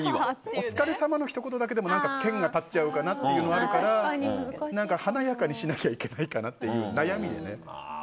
お疲れさまのひと言だけでも険が立っちゃうから華やかにしなきゃいけないかなみたいな悩みもね。